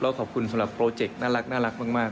ขอบคุณสำหรับโปรเจกต์น่ารักมาก